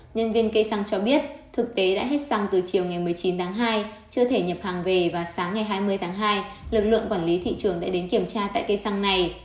nhân viên cây xăng cho biết thực tế đã hết xăng từ chiều ngày một mươi chín tháng hai chưa thể nhập hàng về vào sáng ngày hai mươi tháng hai lực lượng quản lý thị trường đã đến kiểm tra tại cây xăng này